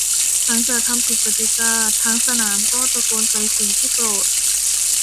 หลังจากทำผิดกติกาทั้งสนามก็ตะโกนใส่สิ่งที่โกรธ